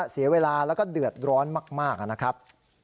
เสียเวลาแล้วก็เดือดร้อนมากนะครับ